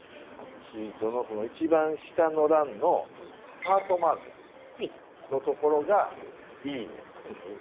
ツイートのこの一番下の欄のハートマークのところが「いいね」。